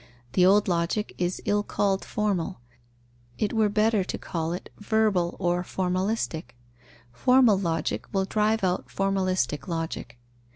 The old Logic is ill called formal; it were better to call it verbal or formalistic. Formal Logic will drive out formalistic Logic.